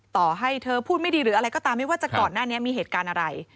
ต่อให้เธอพูดไม่ดีหรืออะไรก็ตามไม่ว่าจะก่อนหน้านี้มีเหตุการณ์อะไร